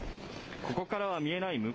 ここからは見えない